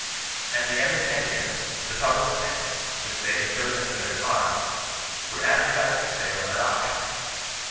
^' At the end of ten years^ the public lands^ whidi they had chosen for their farms, were advertised for sale at auction.